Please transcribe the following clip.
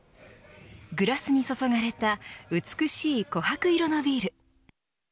グラスに注がれた美しい琥珀色のビール。